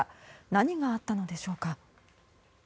何があったのでしょうか。